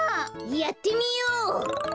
やってみよう！